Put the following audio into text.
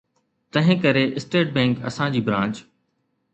تنهنڪري state bank اسان جي برانچ